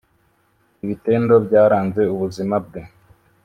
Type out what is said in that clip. Ibitendo byaranze ubuzima bwe